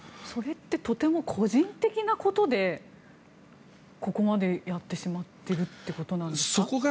それってとても個人的なことでここまでやってしまっているということですか。